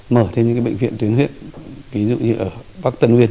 mở thêm những bệnh viện tuyến huyện ví dụ như ở bắc tân nguyên